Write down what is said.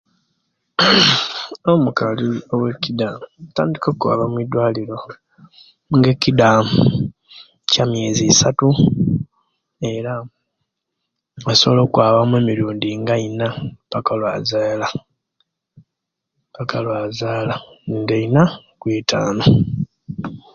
Omukali owekida atandika okwaba mwidwaliro nga ekida kya'miezi isatu era asobola okwaba mu emirundi nga iina paka owazaala paka owazaala nga iina kwitaanu